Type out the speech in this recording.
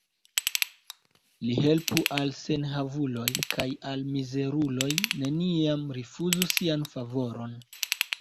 Li helpu al la senhavuloj, kaj al la mizeruloj neniam rifuzu sian favoron.